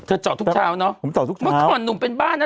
จอดทุกเช้าเนอะผมจอดทุกเช้าเมื่อก่อนหนุ่มเป็นบ้านนะ